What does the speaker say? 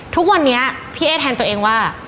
ทุกวันนี้พี่เอ๊แทนตัวเองว่า